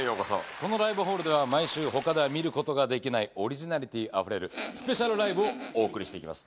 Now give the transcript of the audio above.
このライブホールでは毎週他では見ることができないオリジナリティーあふれるスペシャルライブをお送りして行きます。